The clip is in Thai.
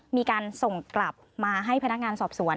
มีการส่งกลับมาให้พนักงานสอบสวน